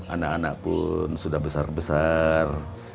anak anak pun sudah besar besar